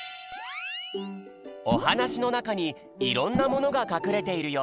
おはなしのなかにいろんなものがかくれているよ！